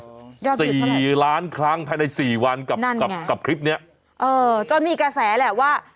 ยอดหยุดเท่าไหร่สี่ล้านครั้งภายในสี่วันกับคลิปนี้นั่นไงเออก็มีกระแสแหละว่า